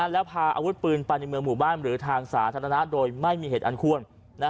และพาอาวุธปืนไปในเมืองหมู่บ้านหรือทางสาธารณะโดยไม่มีเหตุอันควร